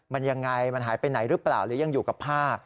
มันยังไงมันหายไปไหนหรือเปล่าหรือยังอยู่กับผ้า